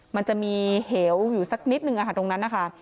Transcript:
มันจะมีเหวอยู่สักนิดนึงตรงนั้นนะคะ